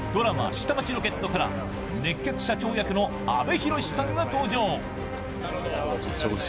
「下町ロケット」から熱血社長役の阿部寛さんが登場。